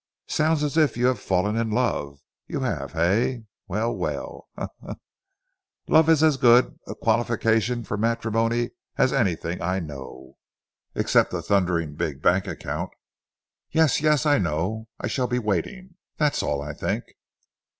"Sounds as if you had fallen in love!... You have, hey? Well, well (he laughed a little), love is as good a qualification for matrimony as anything I know, except a thundering big bank account.... Yes, yes, I know.... I shall be waiting. That's all, I think."